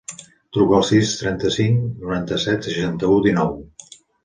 Truca al sis, trenta-cinc, noranta-set, seixanta-u, dinou.